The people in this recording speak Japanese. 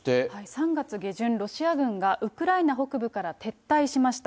３月下旬、ロシア軍がウクライナ北部から撤退しました。